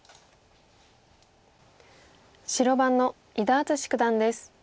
白番の伊田篤史九段です。